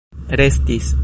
restis